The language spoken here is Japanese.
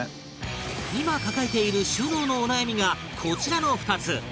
今抱えている収納のお悩みがこちらの２つ